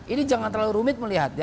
ini jangan terlalu rumit melihatnya